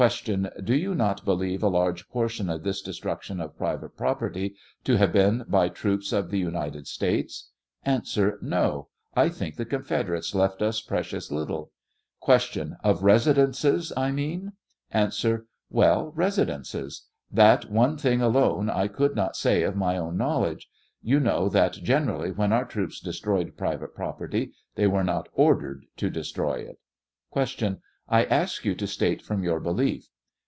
Do you not believe a large portion of this destruc tion of private property to have been by troops of the United States? A. No ; I think the Confederates left us precious little. Q. Of residences, I mean ? A. "Well, residences; that one thing alone I could not say of my own knowledge; you know that gener ally when our troops destroyed private property, they were not or.dered to destroy it. Q. I ask you to state from your belief?